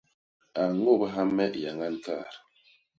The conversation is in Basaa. A ñôbha me i yañan kaat.